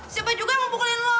siapa juga yang mau pukulin lo